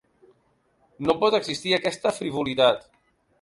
No pot existir aquesta frivolitat.